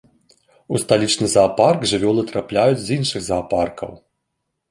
У сталічны заапарк жывёлы трапляюць з іншых заапаркаў.